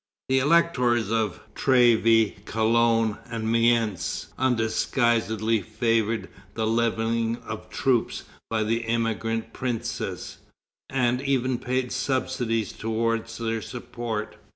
The electors of Trèves, Cologne, and Mayence undisguisedly favored the levying of troops by the emigrant princes, and even paid subsidies toward their support.